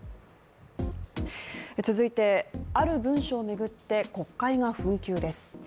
続いて、ある文書を巡って国会が紛糾です。